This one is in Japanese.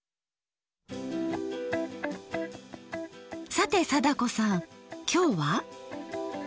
さて貞子さんきょうは？